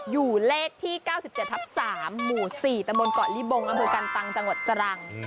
อยู่เลขที่๙๗ทับ๓หมู่๔ตะบนเกาะลิบงอำเภอกันตังจังหวัดตรัง